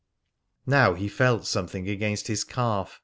Then he felt something against his calf.